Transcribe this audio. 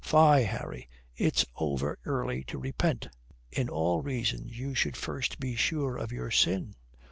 "Fie, Harry, it's over early to repent. In all reason you should first be sure of your sin.